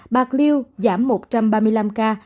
bạc liêu giảm một trăm ba mươi năm ca